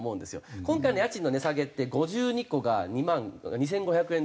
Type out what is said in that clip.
今回の家賃の値下げって５２戸が２万２５００円ずつ。